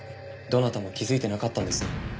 どなたも気づいてなかったんですね。